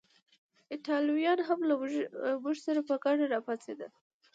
ایټالویان هم له موږ سره په ګډه راپاڅېدل.